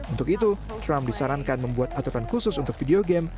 untuk itu trump disarankan membuat aturan khusus untuk video game